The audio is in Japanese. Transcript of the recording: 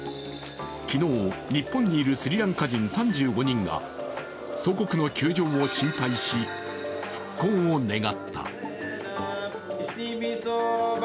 昨日、日本にいるスリランカ人３５人が祖国の窮状を心配し、復興を願った。